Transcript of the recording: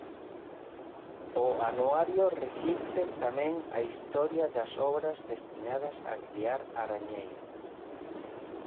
O anuario reflicte tamén a historia das obras destinadas a criar arañeiras: